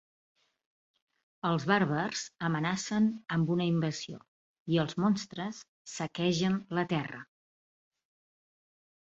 Els bàrbars amenacen amb una invasió, i els monstres saquegen la terra.